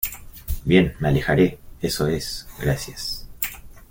Bien, me alejaré. Eso es . gracias .